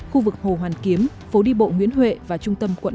khu vực hồ hoàn kiếm phố đi bộ nguyễn huệ và trung tâm quận